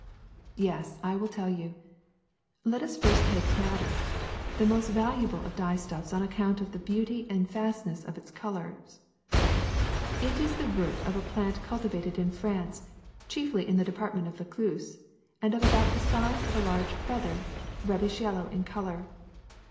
'' ^^Yes, I will tell you. Let us first take madder, the most valuable of dyestuffs on account f^'''' *"^'^^( ^^f ^"^^ of the beauty and fastness of its col ors. It is the root of a plant cultivated in France, chiefly in the department of Vaucluso, and of about the size of a large feather, red dish yellow in color.